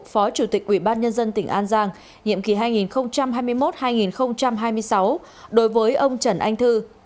phó chủ tịch ubnd tỉnh an giang nhiệm ký hai nghìn hai mươi một hai nghìn hai mươi sáu đối với ông trần anh thư